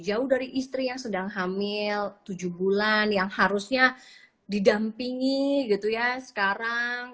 jauh dari istri yang sedang hamil tujuh bulan yang harusnya didampingi gitu ya sekarang